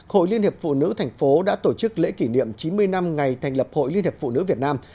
hội liên hiệp phụ nữ thành phố đã tổ chức lễ kỷ niệm chín mươi năm ngày thành lập hội liên hiệp phụ nữ việt nam